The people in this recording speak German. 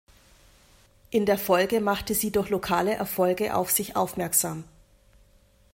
In der Folge machte sie durch lokale Erfolge auf sich aufmerksam.